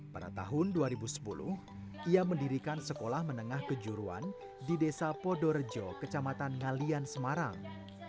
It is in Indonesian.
pada tahun dua ribu sepuluh ia mendirikan sekolah menengah kejuruan di desa podorejo kecamatan ngalian semarang